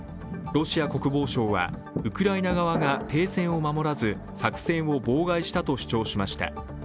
ロシア国防省はウクライナ側が停戦を守らず作戦を妨害したと主張しました。